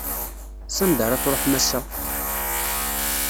S anda ara truḥem ass-a?